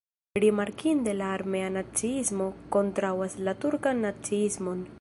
Rimarkinde, la armena naciismo kontraŭas la turkan naciismon.